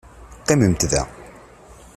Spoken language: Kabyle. Qqimemt da!